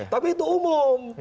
tapi itu umum